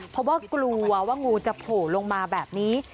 เพราะว่ากลัวว่างูจะโผล่ลงมาแบบนี้